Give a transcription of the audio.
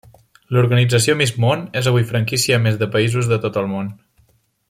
L'Organització Miss Món és avui franquícia a més de països de tot el món.